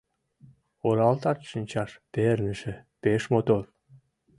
Оралтат шинчаш перныше, пеш мотор.